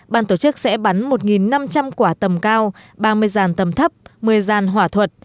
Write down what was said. ban tổ chức sẽ bán một năm trăm linh quả tầm cao ba mươi dàn tầm thấp một mươi dàn hỏa thuật